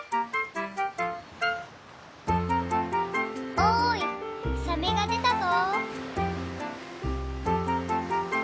おいサメがでたぞ！